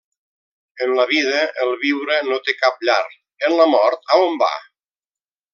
En la vida, el viure no té cap llar, en la mort a on va?